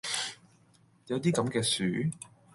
有啲咁嘅樹?